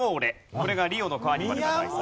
これがリオのカーニバルが題材。